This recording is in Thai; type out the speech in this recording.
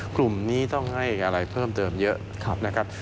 กลุ่มนี้ต้องให้อะไรเพิ่มเติมเยอะนะครับ